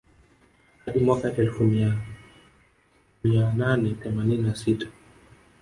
Hadi mwaka wa elfu mija mia nane themanini na sita